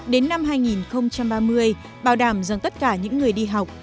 bốn bảy đến năm hai nghìn ba mươi bảo đảm rằng tất cả những người đi học